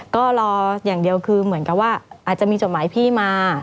ก็รออย่างเดียวคือเหมือนกับว่าอาจจะมีจดหมายพี่มา